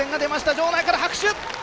場内から拍手。